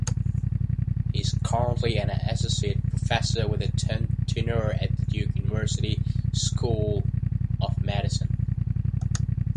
He is currently an Associate Professor with tenure at Duke University School of Medicine.